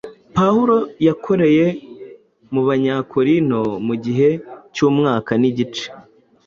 Pawulo yakoreye mu Banyakorinto mu gihe cy’umwaka n’igice,